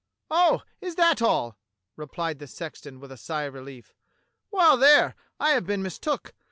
"Oh! is that all?" replied the sexton with a sigh of relief. "Well, there, I have been mistook.